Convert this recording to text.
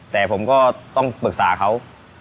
แต่ผมก็ต้องปรึกษาเขา